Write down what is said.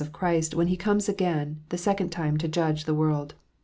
of Christ when He comes again the second time to judge the world.